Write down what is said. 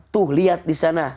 tuh lihat di sana